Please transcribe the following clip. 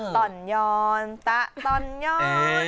ตอนย้อนตะตอนย้อน